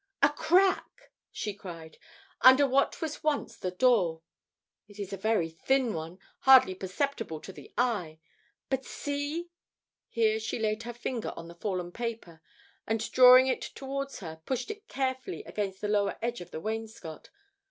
"A crack!" she cried, "under what was once the door. It's a very thin one, hardly perceptible to the eye. But see!" Here she laid her finger on the fallen paper and drawing it towards her, pushed it carefully against the lower edge of the wainscot.